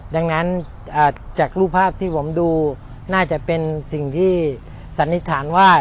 ดังนั้นจากรูปภาพที่ผมดูน่าจะเป็นสิ่งที่สันนิษฐานว่า